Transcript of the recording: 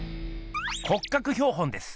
骨格標本です。